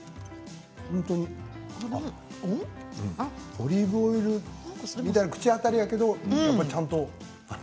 オリーブオイルみたいな口当たりだけど、ちゃんと。